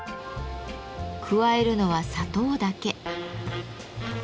加えるのは砂糖だけ。